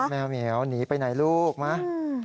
แมวเหมียวหนีไปไหนลูกไหม